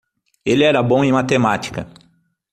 Ele era bom em matemática.